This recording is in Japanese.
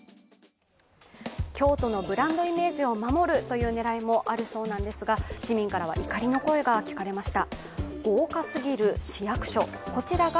京都のブランドイメージを守るという狙いもあるそうなんですが、市民からは怒りの声が聞かれました。